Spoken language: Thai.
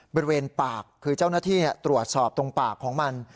บริเวณปากคือเจ้าหน้าที่ตรวจสอบตรงปากของมัน